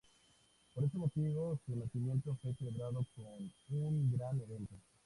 Por este motivo, su nacimiento fue celebrado con un gran evento.